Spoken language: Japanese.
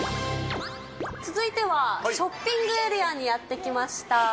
続いてはショッピングエリアにやって来ました。